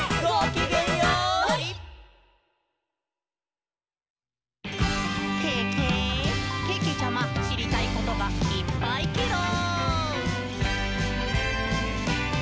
けけちゃま、しりたいことがいっぱいケロ！」